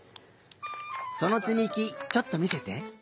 そのつみきちょっとみせて。